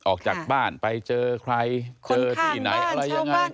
ออกจากบ้านไปเจอใครเจอที่ไหนอะไรยังไง